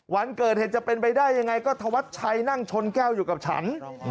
วันเกิดเหตุจะเป็นไปได้ยังไงก็ธวัดชัยนั่งชนแก้วอยู่กับฉัน